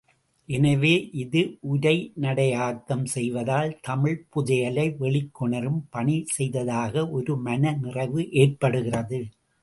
எனவே இது உரைநடையாக்கம் செய்வதால் தமிழ்ப் புதையலை வெளிக் கொணரும் பணி செய்ததாக ஒரு மன நிறைவு ஏற்படுகிறது.